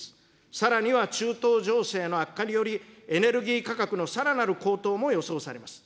さらには、中東情勢の悪化により、エネルギー価格のさらなる高騰も予想されます。